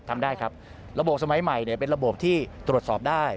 ทำได้ครับระบบสมัยใหม่เนี่ยเป็นระบบที่ตรวจสอบได้